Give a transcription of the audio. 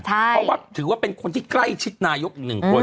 เพราะว่าถือว่าเป็นคนที่ใกล้ชิดนายก๑คน